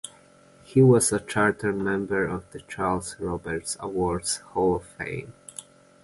He was a charter member of the Charles Roberts Awards Hall of Fame.